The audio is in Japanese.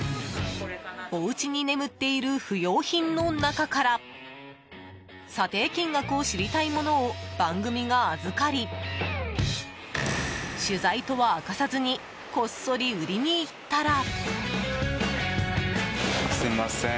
おうちに眠っている不用品の中から査定金額を知りたいものを番組が預かり取材とは明かさずにこっそり売りに行ったら。